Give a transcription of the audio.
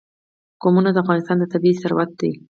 قومونه د افغانستان طبعي ثروت دی.